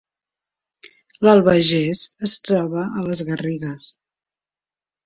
L’Albagés es troba a les Garrigues